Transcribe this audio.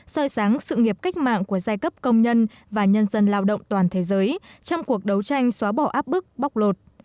soi sáng sự nghiệp cách mạng của giai cấp công nhân và nhân dân lao động toàn thế giới trong cuộc đấu tranh xóa bỏ áp bức bóc lột